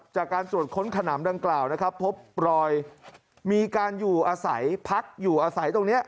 จากการตรวจค้นขนำดังกล่าวนะครับพบรอยมีการอยู่อาศัยพักอยู่อาศัยตรงนี้